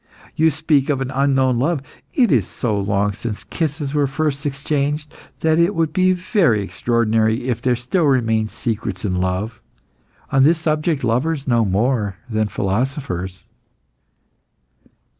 You speak of an unknown love. It is so long since kisses were first exchanged that it would be very extraordinary if there still remained secrets in love. On this subject lovers know more than philosophers."